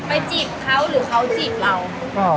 จีบเขาหรือเขาจีบเรา